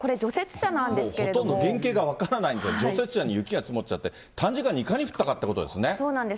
ほとんど原形が分からない、除雪車に雪が積もっちゃって、短時間にいかに降ったかということそうなんです。